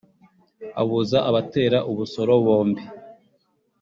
Abuza abatera ubusoro bombi